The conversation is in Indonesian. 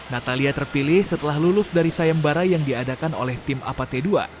natalia terpilih setelah lulus dari sayembarai yang diadakan oleh tim apa t dua